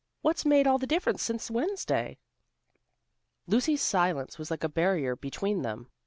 What's made all the difference since Wednesday?" Lucy's silence was like a barrier between them.